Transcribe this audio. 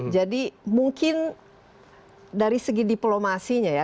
jadi mungkin dari segi diplomasinya ya